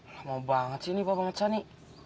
lama banget sih ini pak banget sani